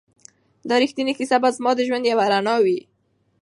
دا ریښتینې کیسه به زما د ژوند یوه رڼا وي.